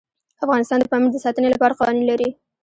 افغانستان د پامیر د ساتنې لپاره قوانین لري.